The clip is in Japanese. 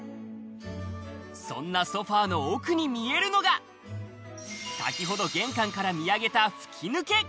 そんなソファーの奥に見えるのが、先ほど玄関から見上げた吹き抜け。